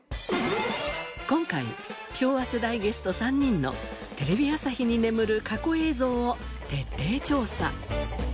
今回昭和世代ゲスト３人のテレビ朝日に眠る過去映像を徹底調査。